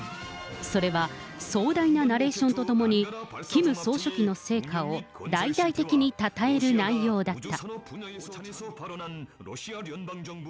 それは壮大なナレーションとともに、キム総書記の成果を大々的にたたえる内容だった。